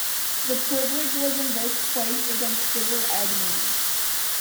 The privilege was invoked twice against Sibel Edmonds.